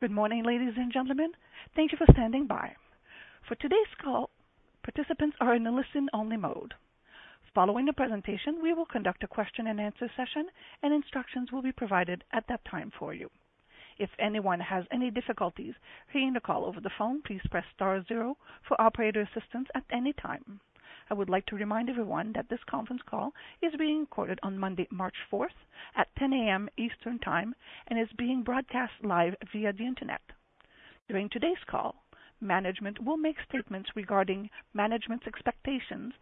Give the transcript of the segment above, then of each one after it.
Good morning, ladies and gentlemen. Thank you for standing by. For today's call, participants are in a listen-only mode. Following the presentation, we will conduct a question and answer session, and instructions will be provided at that time for you. If anyone has any difficulties hearing the call over the phone, please press star zero for operator assistance at any time. I would like to remind everyone that this conference call is being recorded on Monday, March fourth, at 10 A.M. Eastern Time and is being broadcast live via the Internet. During today's call, management will make statements regarding management's expectations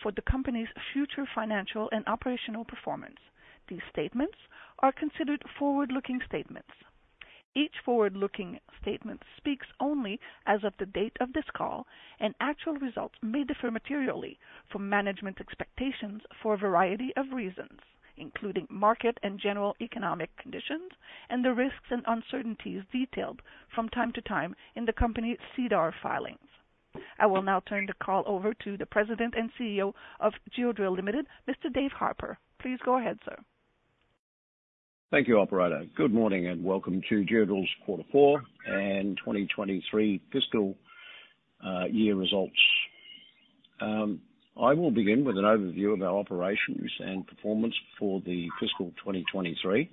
for the company's future financial and operational performance. These statements are considered forward-looking statements. Each forward-looking statement speaks only as of the date of this call, and actual results may differ materially from management's expectations for a variety of reasons, including market and general economic conditions and the risks and uncertainties detailed from time to time in the company's SEDAR filings. I will now turn the call over to the President and CEO of Geodrill Limited, Mr. Dave Harper. Please go ahead, sir. Thank you, operator. Good morning, and welcome to Geodrill's Quarter Four and 2023 fiscal year results. I will begin with an overview of our operations and performance for the fiscal 2023.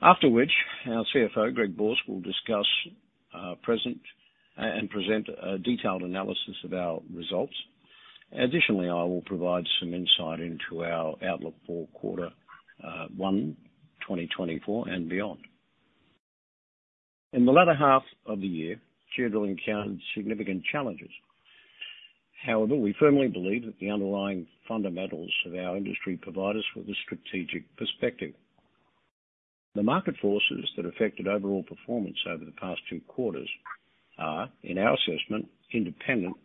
After which, our CFO, Greg Borsk, will discuss and present a detailed analysis of our results. Additionally, I will provide some insight into our outlook for quarter one 2024 and beyond. In the latter half of the year, Geodrill encountered significant challenges. However, we firmly believe that the underlying fundamentals of our industry provide us with a strategic perspective. The market forces that affected overall performance over the past two quarters are, in our assessment, independent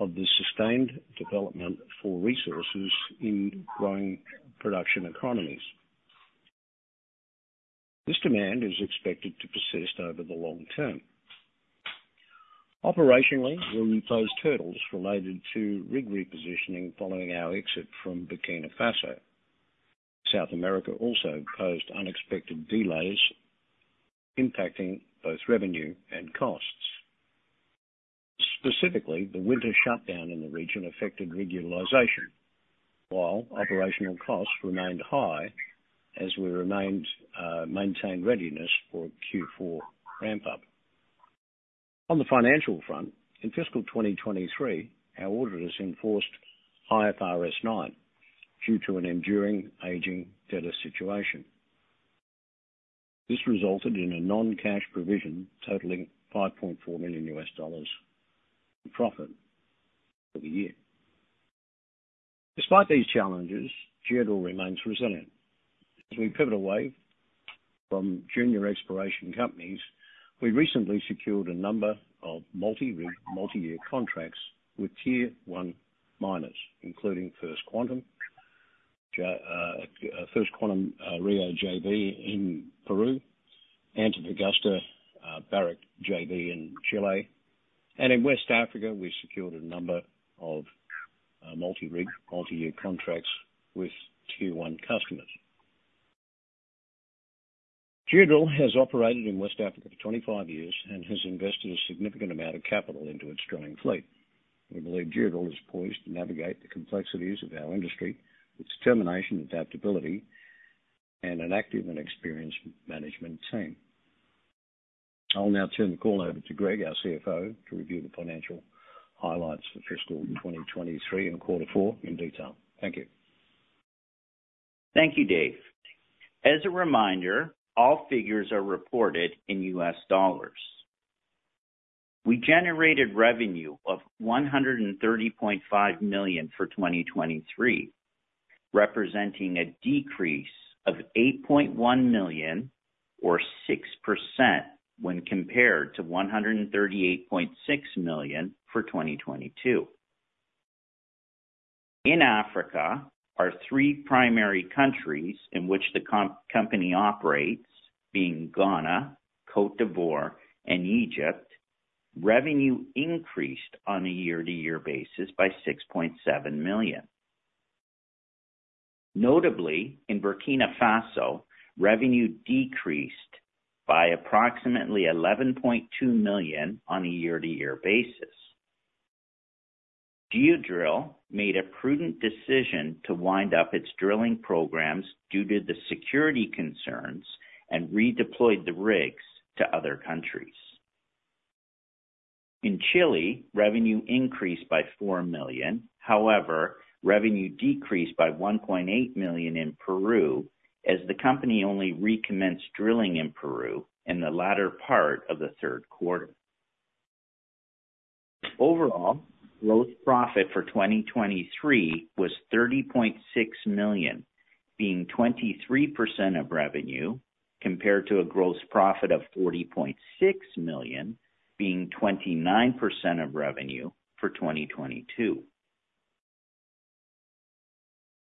of the sustained development for resources in growing production economies. This demand is expected to persist over the long term. Operationally, we faced hurdles related to rig repositioning following our exit from Burkina Faso. South America also posed unexpected delays, impacting both revenue and costs. Specifically, the winter shutdown in the region affected rig utilization, while operational costs remained high as we maintained readiness for Q4 ramp-up. On the financial front, in fiscal 2023, our auditors enforced IFRS 9 due to an enduring aging debtor situation. This resulted in a non-cash provision totaling $5.4 million profit for the year. Despite these challenges, Geodrill remains resilient. As we pivot away from junior exploration companies, we recently secured a number of multi-rig, multi-year contracts with Tier One miners, including First Quantum, Rio JV in Peru, Antofagasta, Barrick JV in Chile, and in West Africa, we secured a number of multi-rig, multi-year contracts with Tier One customers. Geodrill has operated in West Africa for 25 years and has invested a significant amount of capital into its drilling fleet. We believe Geodrill is poised to navigate the complexities of our industry with determination, adaptability, and an active and experienced management team. I'll now turn the call over to Greg, our CFO, to review the financial highlights for fiscal 2023 and quarter four in detail. Thank you. Thank you, Dave. As a reminder, all figures are reported in US dollars. We generated revenue of $130.5 million for 2023, representing a decrease of $8.1 million, or 6%, when compared to $138.6 million for 2022. In Africa, our three primary countries in which the company operates, being Ghana, Côte d'Ivoire, and Egypt, revenue increased on a year-to-year basis by $6.7 million. Notably, in Burkina Faso, revenue decreased by approximately $11.2 million on a year -to-year basis. Geodrill made a prudent decision to wind up its drilling programs due to the security concerns and redeployed the rigs to other countries. In Chile, revenue increased by $4 million. However, revenue decreased by $1.8 million in Peru, as the company only recommenced drilling in Peru in the latter part of the Q3. Overall, gross profit for 2023 was $30.6 million, being 23% of revenue, compared to a gross profit of $40.6 million, being 29% of revenue for 2022.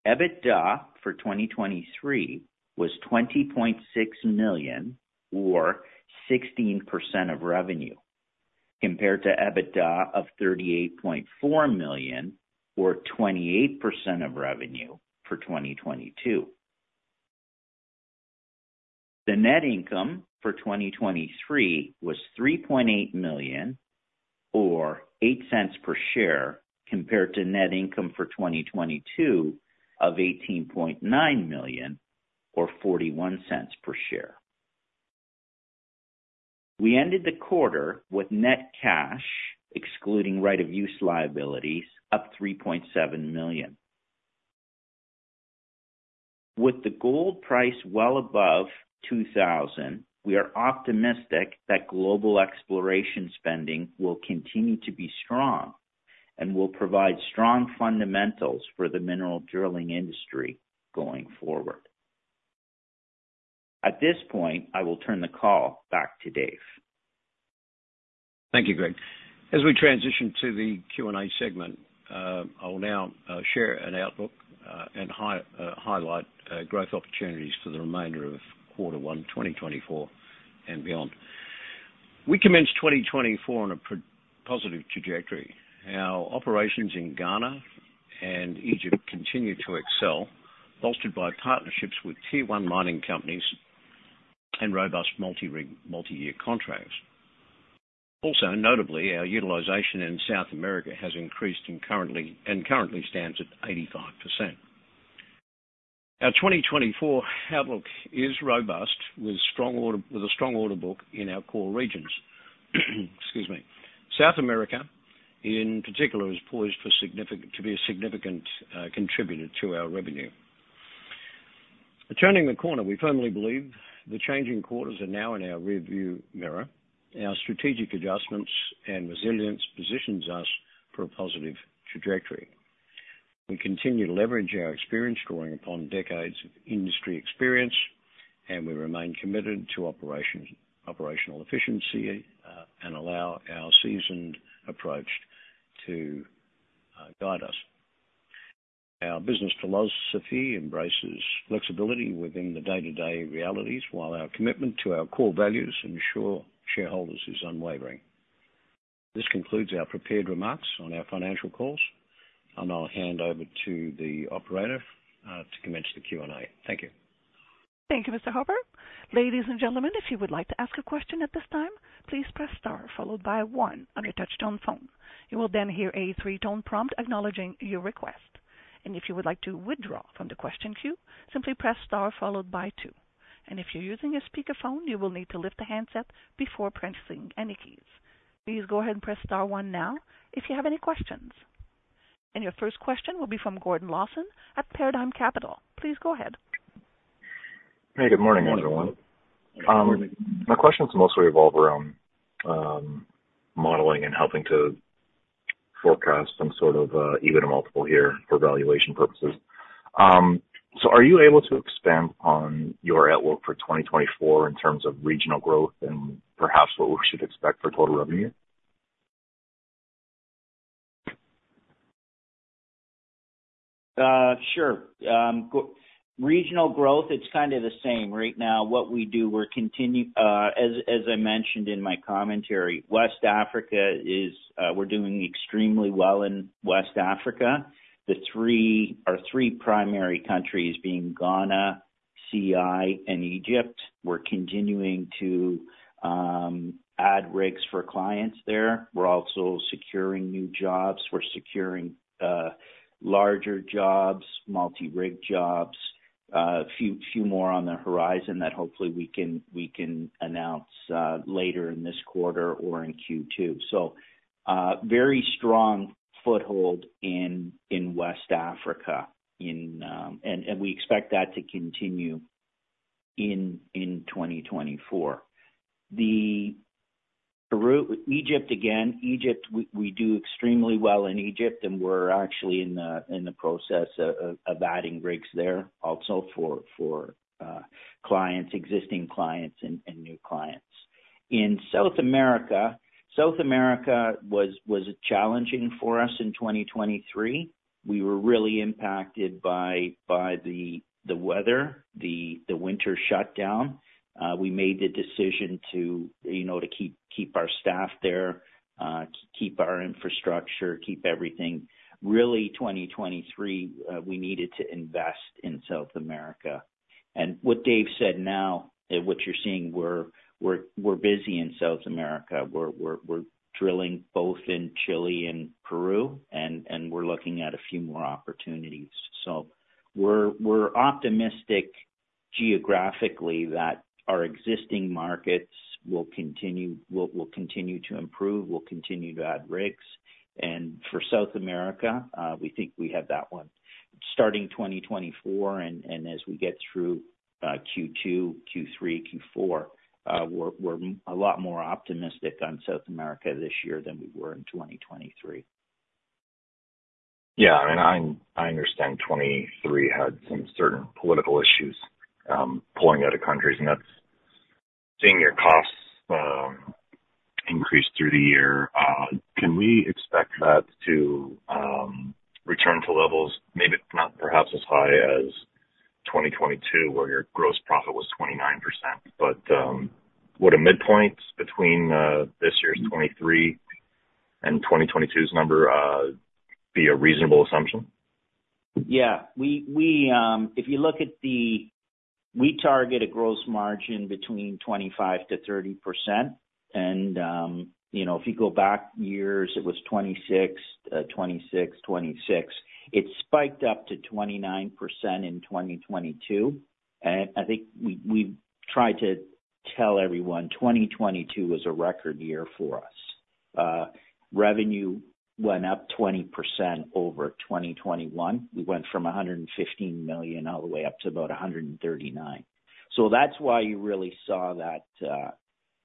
EBITDA for 2023 was $20.6 million, or 16% of revenue, compared to EBITDA of $38.4 million or 28% of revenue for 2022. The net income for 2023 was $3.8 million, or $0.08 per share, compared to net income for 2022 of $18.9 million, or $0.41 per share. We ended the quarter with net cash, excluding right-of-use liabilities, up $3.7 million. With the gold price well above $2,000, we are optimistic that global exploration spending will continue to be strong and will provide strong fundamentals for the mineral drilling industry going forward. At this point, I will turn the call back to Dave. Thank you, Greg. As we transition to the Q&A segment, I will now share an outlook and highlight growth opportunities for the remainder of quarter one 2024 and beyond. We commenced 2024 on a positive trajectory. Our operations in Ghana and Egypt continue to excel, bolstered by partnerships with Tier One mining companies and robust multi-rig, multi-year contracts. Also, notably, our utilization in South America has increased and currently stands at 85%. Our 2024 outlook is robust, with a strong order book in our core regions. Excuse me. South America, in particular, is poised for significant to be a significant contributor to our revenue. Turning the corner, we firmly believe the changing quarters are now in our rearview mirror. Our strategic adjustments and resilience positions us for a positive trajectory. We continue to leverage our experience, drawing upon decades of industry experience, and we remain committed to operations, operational efficiency, and allow our seasoned approach to guide us. Our business philosophy embraces flexibility within the day-to-day realities, while our commitment to our core values ensure shareholders is unwavering. This concludes our prepared remarks on our financial calls, and I'll hand over to the operator to commence the Q&A. Thank you. Thank you, Mr. Hopper. Ladies and gentlemen, if you would like to ask a question at this time, please press star followed by one on your touchtone phone. You will then hear a three-tone prompt acknowledging your request, and if you would like to withdraw from the question queue, simply press star followed by two. If you're using a speakerphone, you will need to lift the handset before pressing any keys. Please go ahead and press star one now if you have any questions. Your first question will be from Gordon Lawson at Paradigm Capital. Please go ahead. Hey, good morning, everyone. My questions mostly revolve around modeling and helping to forecast some sort of EBITDA multiple here for valuation purposes. So are you able to expand on your outlook for 2024 in terms of regional growth and perhaps what we should expect for total revenue? Sure. Regional growth, it's kind of the same. Right now, what we do, we're continuing, as I mentioned in my commentary, West Africa is, we're doing extremely well in West Africa. Our three primary countries being Ghana, CI, and Egypt. We're continuing to add rigs for clients there. We're also securing new jobs. We're securing larger jobs, multi-rig jobs, a few more on the horizon that hopefully we can announce later in this quarter or in Q2. So, very strong foothold in West Africa, and we expect that to continue in 2024. In Peru, Egypt—again, Egypt—we do extremely well in Egypt, and we're actually in the process of adding rigs there also for existing clients and new clients. In South America, South America was challenging for us in 2023. We were really impacted by the weather, the winter shutdown. We made the decision to, you know, to keep our staff there, keep our infrastructure, keep everything. Really, 2023, we needed to invest in South America. And what Dave said, now, and what you're seeing, we're busy in South America. We're drilling both in Chile and Peru, and we're looking at a few more opportunities. So we're optimistic geographically that our existing markets will continue to improve. We'll continue to add rigs. For South America, we think we have that one. Starting 2024, and as we get through Q2, Q3, Q4, we're a lot more optimistic on South America this year than we were in 2023. Yeah, I mean, I understand 2023 had some certain political issues, pulling out of countries, and that's seeing your costs increase through the year. Can we expect that to return to levels maybe pre- as high as 2022, where your gross profit was 29%. But, would a midpoint between this year's 2023 and 2022's number be a reasonable assumption? Yeah. We target a gross margin between 25%-30%. And, you know, if you go back years, it was 26, 26, 26. It spiked up to 29% in 2022, and I think we've tried to tell everyone, 2022 was a record year for us. Revenue went up 20% over 2021. We went from $115 million all the way up to about $139 million. So that's why you really saw that,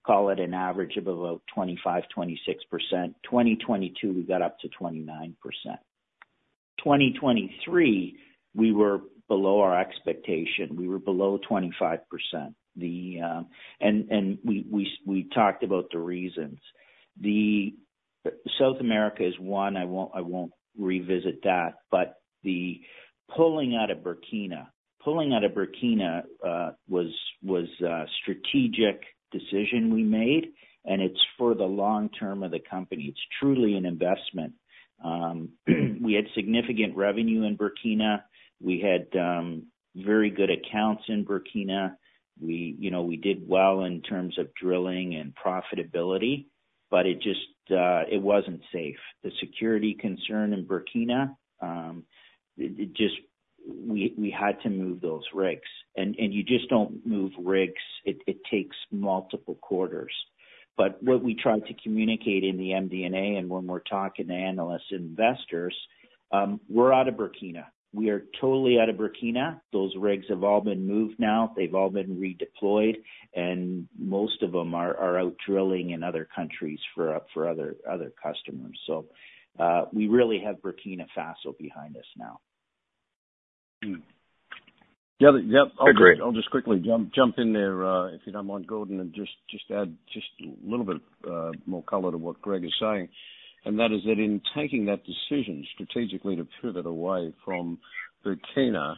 call it an average of about 25%-26%. 2022, we got up to 29%. 2023, we were below our expectation. We were below 25%. And we talked about the reasons. South America is one, I won't revisit that. But the pulling out of Burkina was a strategic decision we made, and it's for the long term of the company. It's truly an investment. We had significant revenue in Burkina. We had very good accounts in Burkina. We, you know, we did well in terms of drilling and profitability, but it just it wasn't safe. The security concern in Burkina, it just we had to move those rigs. And you just don't move rigs, it takes multiple quarters. But what we try to communicate in the MD&A and when we're talking to analysts and investors, we're out of Burkina. We are totally out of Burkina. Those rigs have all been moved now. They've all been redeployed, and most of them are out drilling in other countries for other customers. So, we really have Burkina Faso behind us now. The other-- Yep. Agree. I'll just quickly jump in there, if you don't mind, Gordon, and just add a little bit more color to what Greg is saying. That is that in taking that decision strategically to pivot away from Burkina,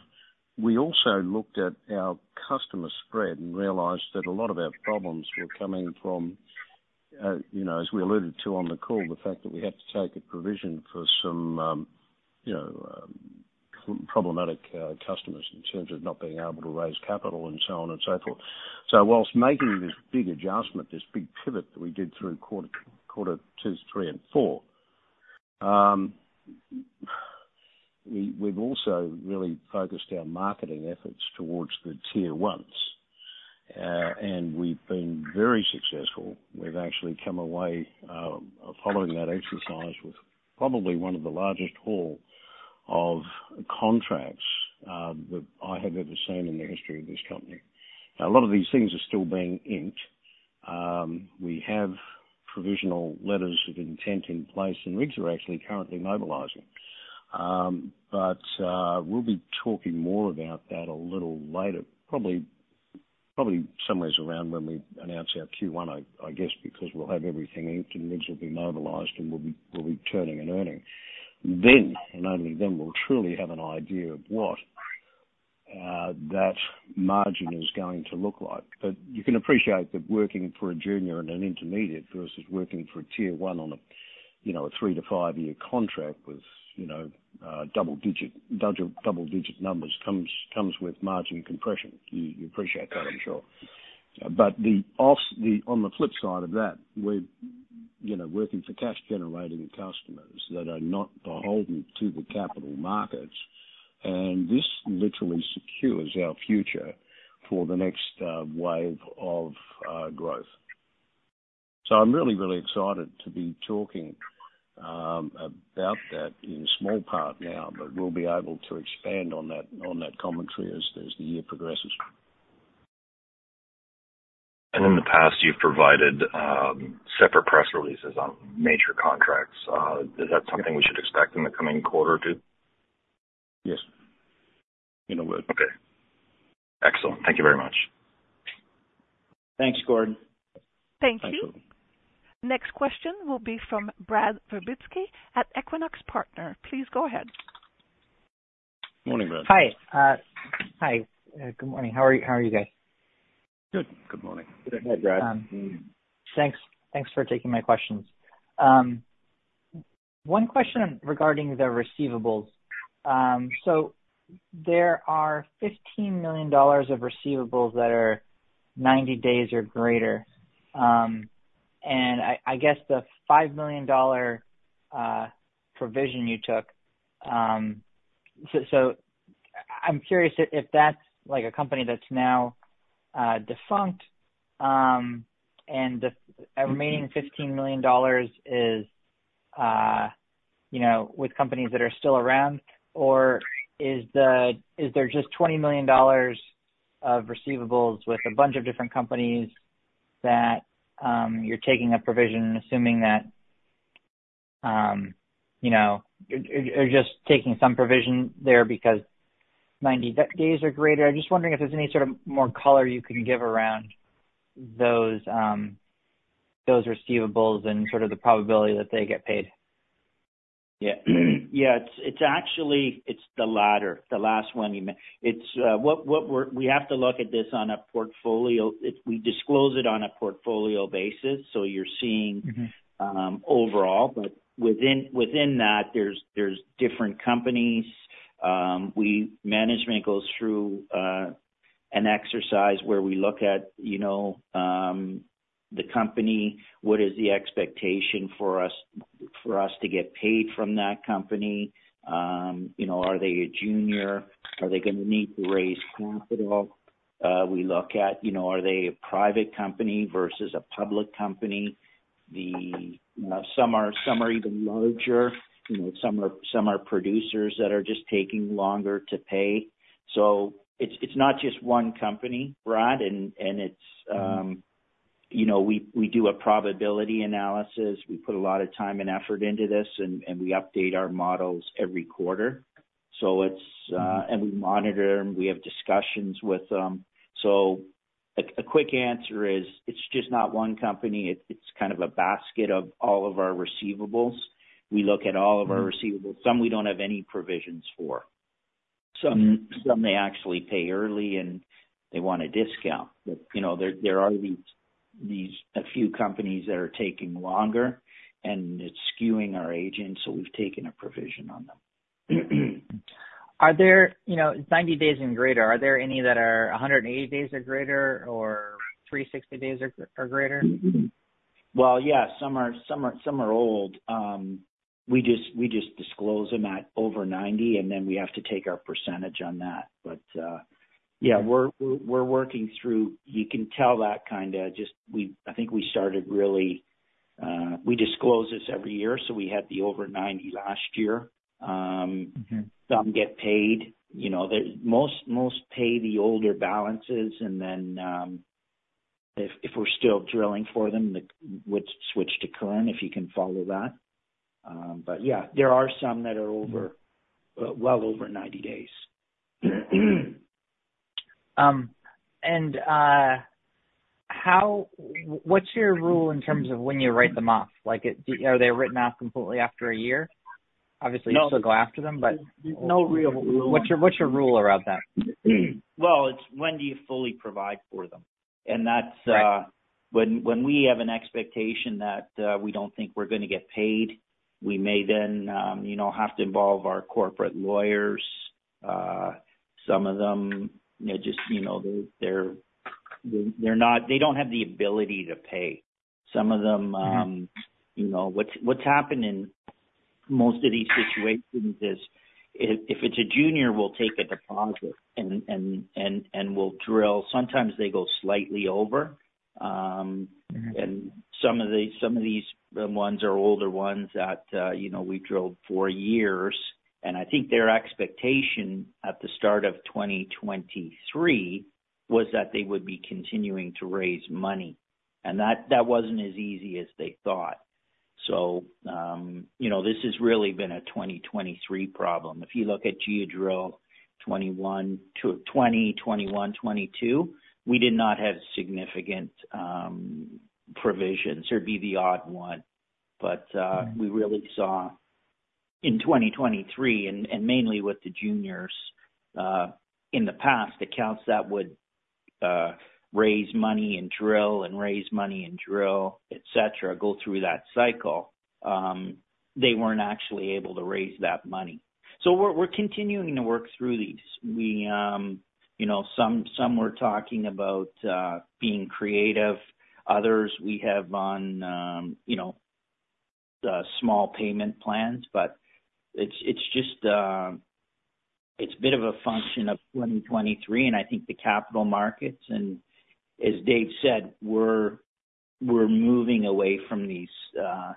we also looked at our customer spread and realized that a lot of our problems were coming from, you know, as we alluded to on the call, the fact that we had to take a provision for some, you know, problematic customers in terms of not being able to raise capital, and so on and so forth. So while making this big adjustment, this big pivot that we did through quarter two, three, and four, we've also really focused our marketing efforts towards the Tier Ones. And we've been very successful. We've actually come away, following that exercise with probably one of the largest haul of contracts that I have ever seen in the history of this company. Now, a lot of these things are still being inked. We have provisional letters of intent in place, and rigs are actually currently mobilizing. But we'll be talking more about that a little later, probably, probably somewheres around when we announce our Q1, I guess, because we'll have everything inked and rigs will be mobilized, and we'll be turning and earning. Then, and only then, we'll truly have an idea of what that margin is going to look like. But you can appreciate that working for a junior and an intermediate versus working for a Tier One on a, you know, a 3- to 5-year contract with, you know, double-digit numbers, comes with margin compression. You appreciate that, I'm sure. On the flip side of that, we're, you know, working for cash generating customers that are not beholden to the capital markets, and this literally secures our future for the next wave of growth. So I'm really, really excited to be talking about that in small part now, but we'll be able to expand on that commentary as the year progresses. In the past, you've provided separate press releases on major contracts. Is that something we should expect in the coming quarter, too? Yes. We will. Okay. Excellent. Thank you very much. Thanks, Gordon. Thank you. Thank you. Next question will be from Brad Virbitsky at Equinox Partners. Please go ahead. Morning, Brad. Hi. Hi, good morning. How are you, how are you guys? Good. Good morning. Good day, Brad. Thanks. Thanks for taking my questions. One question regarding the receivables. So there are $15 million of receivables that are 90 days or greater. And I guess the $5 million provision you took, so I'm curious if that's like a company that's now defunct, and the remaining $15 million is, you know, with companies that are still around? Or is there just $20 million of receivables with a bunch of different companies that you're taking a provision and assuming that, you know, or just taking some provision there because 90 days or greater? I'm just wondering if there's any sort of more color you can give around those receivables and sort of the probability that they get paid? Yeah. Yeah, it's actually the latter, the last one you mentioned. It's what we're—we have to look at this on a portfolio... It's—we disclose it on a portfolio basis, so you're seeing- Overall, but within that, there's different companies. Management goes through an exercise where we look at, you know, the company, what is the expectation for us, for us to get paid from that company? You know, are they a junior? Are they gonna need to raise capital? We look at, you know, are they a private company versus a public company? The, some are, some are even larger, you know, some are, some are producers that are just taking longer to pay. So it's, it's not just one company, Brad, and, and it's, you know, we, we do a probability analysis. We put a lot of time and effort into this, and, and we update our models every quarter. So it's... And we monitor them, we have discussions with them. So, a quick answer is, it's just not one company. It's kind of a basket of all of our receivables. We look at all of our- receivables. Some we don't have any provisions for. Some may actually pay early, and they want a discount. But, you know, there are these a few companies that are taking longer, and it's skewing our aging, so we've taken a provision on them. Are there... You know, 90 days and greater, are there any that are 180 days or greater, or 360 days or, or greater? Well, yeah, some are old. We just disclose them at over ninety, and then we have to take our percentage on that. But, yeah- We're working through... You can tell that. I think we started really. We disclose this every year, so we had the over 90 last year. Some get paid. You know, they, most pay the older balances, and then, if we're still drilling for them, we switch to current, if you can follow that. But yeah, there are some that are over- Well over 90 days. How, what's your rule in terms of when you write them off? Like, are they written off completely after a year? Obviously- No. you still go after them, but- There's no real rule. What's your rule around that? Well, it's when do you fully provide for them? And that's, Right. When we have an expectation that we don't think we're gonna get paid, we may then, you know, have to involve our corporate lawyers. Some of them, they just, you know, they're not. They don't have the ability to pay. Some of them, You know, what's happened in most of these situations is, if it's a junior, we'll take a deposit and we'll drill. Sometimes they go slightly over. and some of these ones are older ones that, you know, we drilled for years. I think their expectation at the start of 2023 was that they would be continuing to raise money, and that wasn't as easy as they thought. You know, this has really been a 2023 problem. If you look at Geodrill 2021-2022, we did not have significant provisions. There'd be the odd one, but... we really saw in 2023, and mainly with the juniors, in the past, accounts that would raise money and drill, and raise money and drill, et cetera, go through that cycle, they weren't actually able to raise that money. So we're continuing to work through these. We, you know, some, some we're talking about being creative. Others, we have on, you know, small payment plans. But it's just a bit of a function of 2023, and I think the capital markets, and as Dave said, we're moving away from these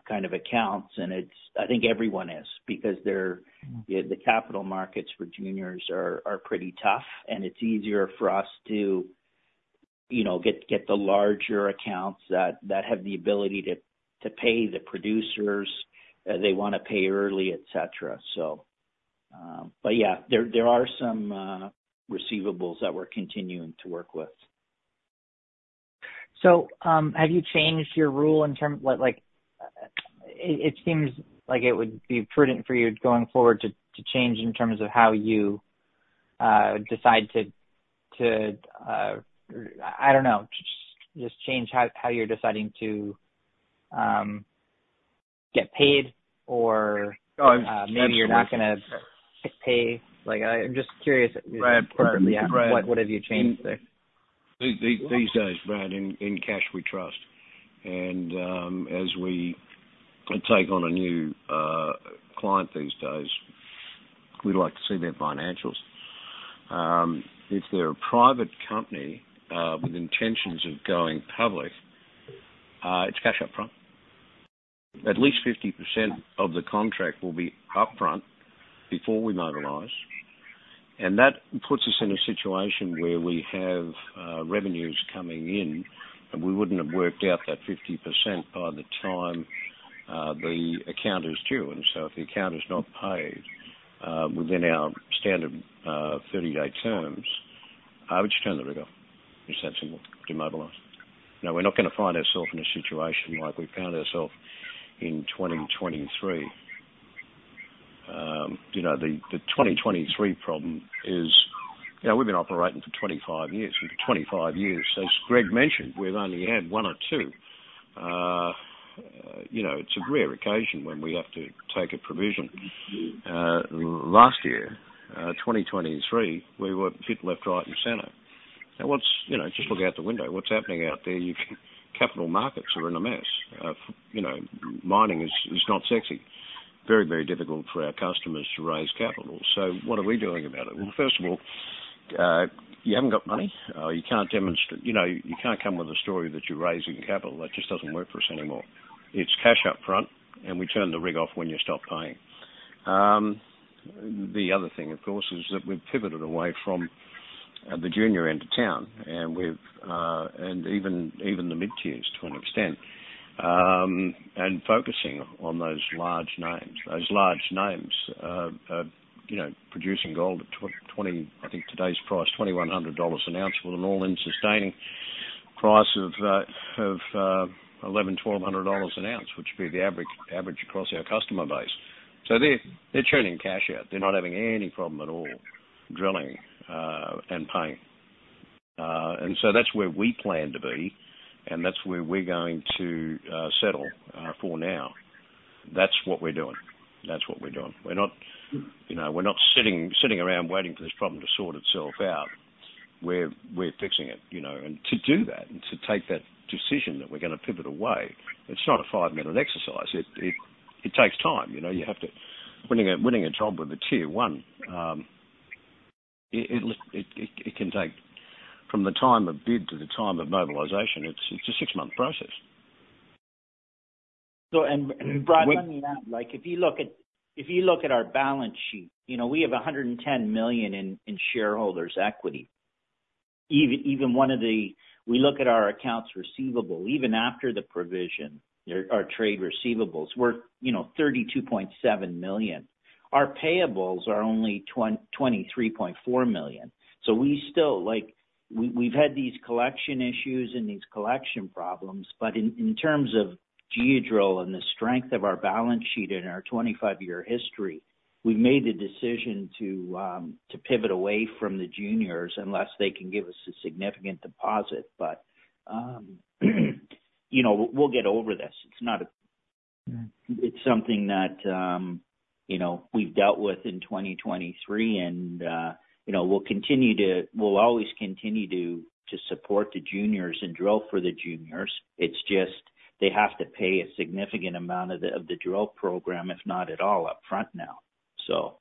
kind of accounts, and it's - I think everyone is. Because they're- The capital markets for juniors are pretty tough, and it's easier for us to, you know, get the larger accounts that have the ability to pay the producers. They wanna pay early, et cetera. So, but yeah, there are some receivables that we're continuing to work with. So, have you changed your rule in terms... Like, it seems like it would be prudent for you, going forward, to change how you're deciding to get paid or- Oh, absolutely. Maybe you're not gonna get paid. Like, I'm just curious- Right. Yeah. What have you changed there? These days, Brad, in cash we trust. And as we take on a new client these days, we'd like to see their financials. If they're a private company with intentions of going public, it's cash up front. At least 50% of the contract will be upfront before we mobilize, and that puts us in a situation where we have revenues coming in, and we wouldn't have worked out that 50% by the time the account is due. And so if the account is not paid within our standard 30-day terms, would you turn the rig off? Just have to demobilize. Now, we're not gonna find ourself in a situation like we found ourself in 2023. You know, the 2023 problem is, you know, we've been operating for 25 years. For 25 years, as Greg mentioned, we've only had one or two. You know, it's a rare occasion when we have to take a provision. Last year, 2023, we were hit left, right, and center. And what's... You know, just look out the window, what's happening out there? You can... Capital markets are in a mess. You know, mining is not sexy. Very, very difficult for our customers to raise capital. So what are we doing about it? Well, first of all, you haven't got money, you can't demonstrate... You know, you can't come with a story that you're raising capital. That just doesn't work for us anymore. It's cash up front, and we turn the rig off when you stop paying. The other thing, of course, is that we've pivoted away from the junior end of town, and we've and even the mid-tiers to an extent, and focusing on those large names. Those large names, you know, producing gold at $2,000, I think today's price $2,100 an ounce, with an all-in sustaining price of $1,100-$1,200 an ounce, which would be the average, average across our customer base. So they're churning cash out. They're not having any problem at all drilling and paying. And so that's where we plan to be, and that's where we're going to settle for now. That's what we're doing. That's what we're doing. We're not, you know, we're not sitting around waiting for this problem to sort itself out. We're fixing it, you know. To do that, and to take that decision that we're gonna pivot away, it's not a five-minute exercise. It takes time. You know, you have to... Winning a job with a Tier One, it can take from the time of bid to the time of mobilization, it's a six-month process. And Brad, let me add, like, if you look at our balance sheet, you know, we have $110 million in shareholders' equity. Even, we look at our accounts receivable, even after the provision, our trade receivables, we're, you know, $32.7 million. Our payables are only $23.4 million. So we still, like, we've had these collection issues and these collection problems, but in terms of Geodrill and the strength of our balance sheet and our 25-year history, we've made the decision to pivot away from the juniors, unless they can give us a significant deposit. But, you know, we'll get over this. It's not a- It's something that, you know, we've dealt with in 2023, and, you know, we'll continue to, we'll always continue to support the juniors and drill for the juniors. It's just they have to pay a significant amount of the drill program, if not at all, upfront now. So,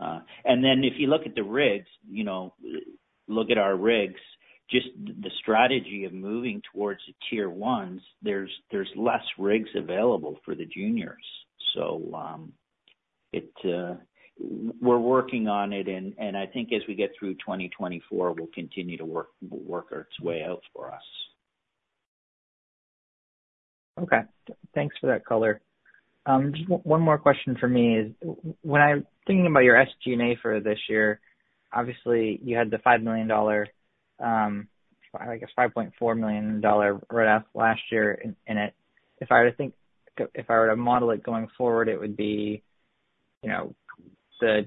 and then if you look at the rigs, you know, look at our rigs, just the strategy of moving towards the Tier One, there's less rigs available for the juniors. So, we're working on it, and I think as we get through 2024, we'll continue to work, we'll work its way out for us. Okay. Thanks for that color. Just one more question for me is, when I'm thinking about your SG&A for this year, obviously you had the $5 million, I guess $5.4 million write-off last year in it. If I were to think... If I were to model it going forward, it would be, you know, the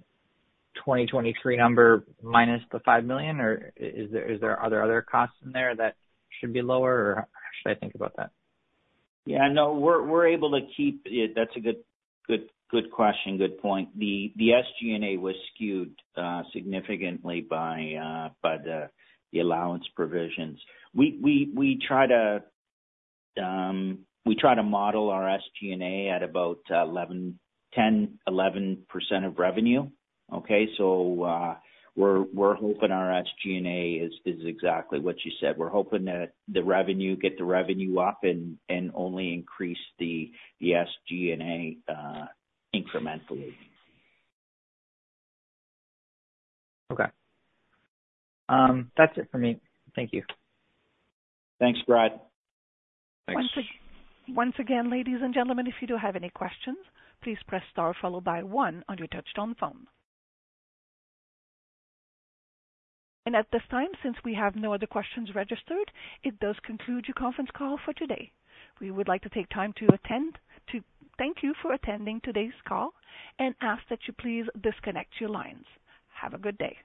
2023 number minus the $5 million, or is there, are there other costs in there that should be lower, or how should I think about that? Yeah, no, we're able to keep it. That's a good, good, good question, good point. The SG&A was skewed significantly by the allowance provisions. We try to model our SG&A at about 10%-11% of revenue, okay? So, we're hoping our SG&A is exactly what you said. We're hoping to get the revenue up and only increase the SG&A incrementally. Okay. That's it for me. Thank you. Thanks, Brad. Thanks. Once again, ladies and gentlemen, if you do have any questions, please press star followed by one on your touch-tone phone. At this time, since we have no other questions registered, it does conclude your conference call for today. We would like to take time to attend, to thank you for attending today's call and ask that you please disconnect your lines. Have a good day.